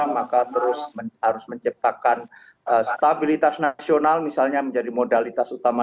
maka terus harus menciptakan stabilitas nasional misalnya menjadi modalitas utama